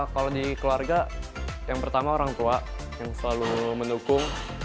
kalau di keluarga yang pertama orang tua yang selalu mendukung